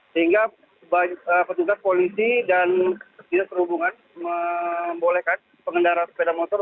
sehingga petugas polisi dan dinas perhubungan membolehkan pengendara sepeda motor